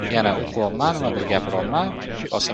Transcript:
It was felt that men should have the jobs.